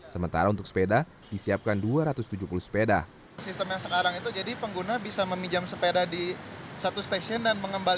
sementara untuk sepeda disiapkan dua ratus tujuh puluh sepeda